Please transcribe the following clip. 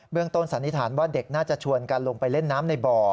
ต้นสันนิษฐานว่าเด็กน่าจะชวนกันลงไปเล่นน้ำในบ่อ